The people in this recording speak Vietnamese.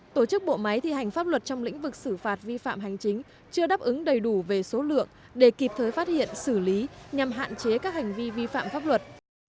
tổ chức bộ máy thi hành pháp luật trong lĩnh vực xử phạt vi phạm hành chính chưa đáp ứng đầy đủ về số lượng để kịp thời phát hiện xử lý nhằm hạn chế các hành vi vi phạm pháp luật